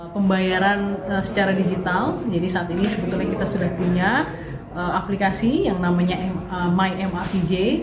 pembayaran secara digital jadi saat ini sebetulnya kita sudah punya aplikasi yang namanya my mrpj